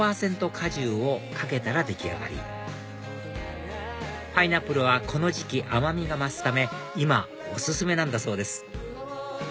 果汁をかけたら出来上がりパイナップルはこの時期甘みが増すため今お薦めなんだそうです